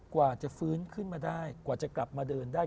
กว่าจะฟื้นขึ้นมาได้กว่าจะกลับมาเดินได้